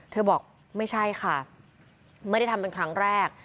บอกไม่ใช่ค่ะไม่ได้ทำเป็นครั้งแรก